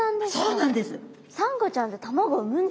そうなんです。